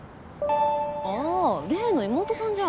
ああ例の妹さんじゃん。